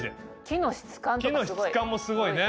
木の質感もすごいね。